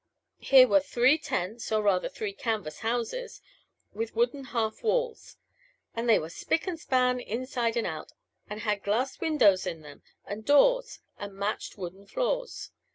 Here were three tents, or rather three canvas houses, with wooden half walls; and they were spick and span inside and out, and had glass windows in them and doors and matched wooden floors.